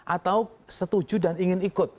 atau setuju dan ingin ikut